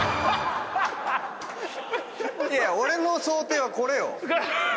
俺の想定はこれよ。